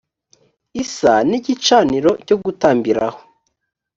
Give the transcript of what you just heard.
isa n igicaniro cyo gutambiraho